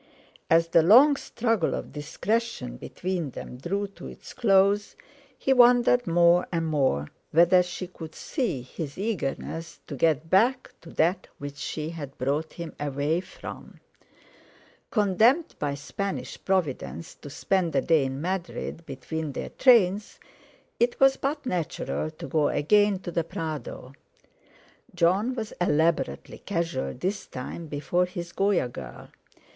As the long struggle of discretion between them drew to its close, he wondered more and more whether she could see his eagerness to get back to that which she had brought him away from. Condemned by Spanish Providence to spend a day in Madrid between their trains, it was but natural to go again to the Prado. Jon was elaborately casual this time before his Goya girl.